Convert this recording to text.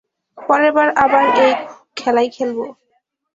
পরের বার আবার এই খেলাই খেলবো।